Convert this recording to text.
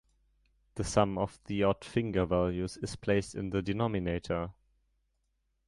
The sum of the odd finger values is placed in the denominator.